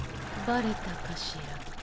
バレたかしら。